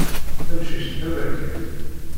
Tamcict taberkant.